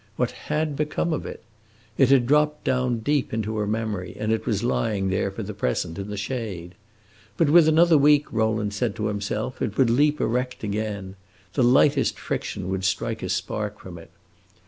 What had become of it? It had dropped down deep into her memory, and it was lying there for the present in the shade. But with another week, Rowland said to himself, it would leap erect again; the lightest friction would strike a spark from it.